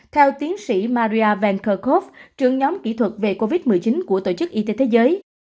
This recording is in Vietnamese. theo tiến sĩ maria venkakov trưởng nhóm kỹ thuật về covid một mươi chín của tổ chức y tế thế giới